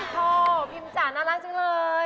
คุณพีมโธ่พีมจ๋าน่ารักจังเลย